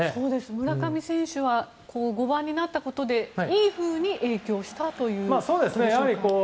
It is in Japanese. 村上選手は５番になったことでいいふうに影響したということでしょうか。